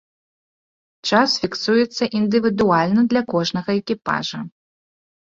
Час фіксуецца індывідуальна для кожнага экіпажа.